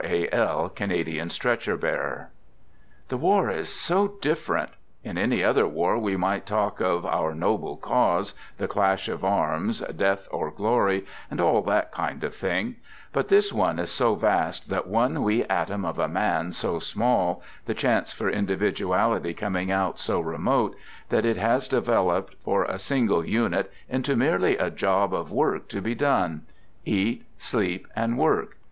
A. L./' Canadian Stretcher Bearer) This war is so " different." In any other war we might talk of " our noble cause," " the clash of arms," " death or glory," and all that kind of thing; but this one is so vast, one wee atom of a man so small, the chance for individuality coming out so remote, that it has developed, for a single Unit, into merely a job of work to be done: eat, sleep, and work.